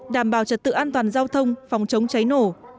đảm bảo trật tự an toàn giao thông phòng chống cháy nổ